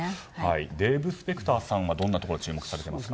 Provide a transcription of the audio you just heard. デーブ・スペクターさんはどんなところに注目されてますか。